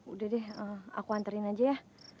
udah deh aku anterin aja ya